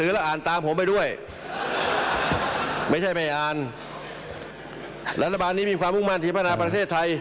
รัฐบาลนี้มีความมุ่งมั่นที่ภาษาประเทศไทย